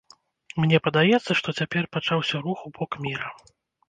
Мне падаецца, што цяпер пачаўся рух у бок міра.